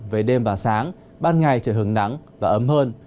về đêm và sáng ban ngày trời hứng nắng và ấm hơn